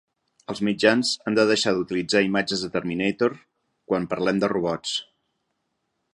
Els mitjans han de deixar d'utilitzar imatges de Terminator quan parlem de robots.